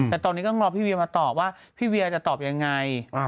แต่ตอนนี้ต้องรอพี่เวียมาตอบว่าพี่เวียจะตอบยังไง